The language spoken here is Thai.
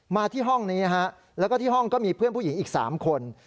มาที่ห้องนี้แล้วก็ที่ห้องก็มีเพื่อนผู้หญิงอีก๓คน